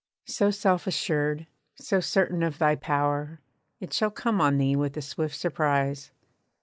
So self assured, so certain of thy power, It shall come on thee with a swift surprise.